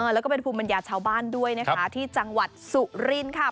แล้วก็เป็นภูมิปัญญาชาวบ้านด้วยนะคะที่จังหวัดสุรินทร์ค่ะ